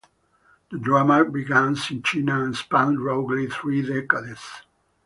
The drama begins in China and spans roughly three decades.